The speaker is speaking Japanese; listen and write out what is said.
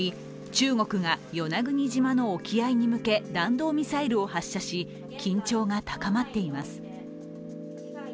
中国が与那国島の沖合に向け弾道ミサイルを発射し、緊張が高まっています。